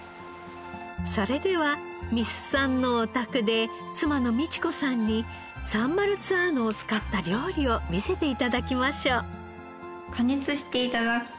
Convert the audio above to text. それでは三須さんのお宅で妻の美智子さんにサンマルツァーノを使った料理を見せて頂きましょう。